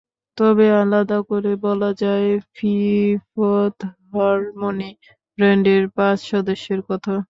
তবে আলাদা করে বলা যায়, ফিফথ হারমনি ব্যান্ডের পাঁচ সদস্যের কথা।